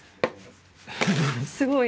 すごいね。